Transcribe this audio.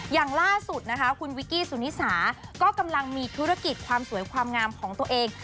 อย่างล่าสุดนะคะคุณวิกกี้สุนิสาก็กำลังมีธุรกิจความสวยความงามของตัวเอง